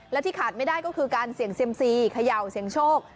และที่ขาดไม่ได้ก็คือการเสี่ยงเซียมซีเขย่าเสี่ยงโชค